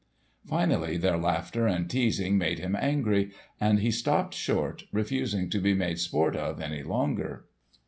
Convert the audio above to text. Finally their laughter and teasing made him angry, and he stopped short, refusing to be made sport of any longer.